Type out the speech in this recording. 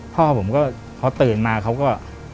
พ่อผมก็พอตื่นมาเขาก็